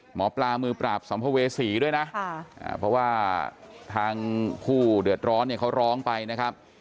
หมอปลามือปราบสัมภเวษีด้วยนะเพราะว่าทางผู้เดือดร้อนเนี่ยเขาร้องไปนะครับ